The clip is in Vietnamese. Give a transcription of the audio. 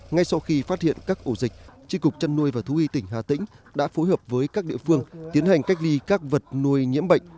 ngay sau khi phát hiện các ổ dịch tri cục chăn nuôi và thú y tỉnh hà tĩnh đã phối hợp với các địa phương tiến hành cách ly các vật nuôi nhiễm bệnh